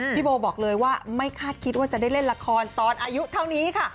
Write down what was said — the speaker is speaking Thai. พี่โบบอกเลยว่าไม่คาดคิดว่าจะได้เล่นละครตอนอายุเท่านี้ค่ะ